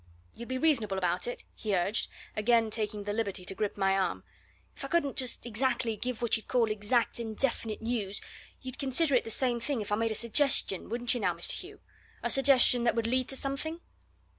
"You'd be reasonable about it?" he urged, again taking the liberty to grip my arm. "If I couldn't just exactly give what you'd call exact and definite news, you'd consider it the same thing if I made a suggestion, wouldn't you, now, Mr. Hugh? a suggestion that would lead to something?"